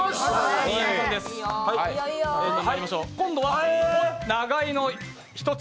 今度は長いの１つ。